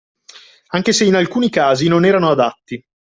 Anche se in alcuni casi non erano adatti